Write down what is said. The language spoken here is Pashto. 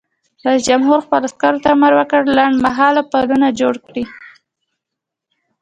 رئیس جمهور خپلو عسکرو ته امر وکړ؛ لنډمهاله پلونه جوړ کړئ!